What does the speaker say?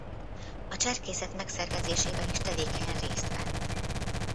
A cserkészet megszervezésében is tevékenyen részt vett.